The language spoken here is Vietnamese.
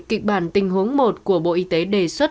kịch bản tình huống một của bộ y tế đề xuất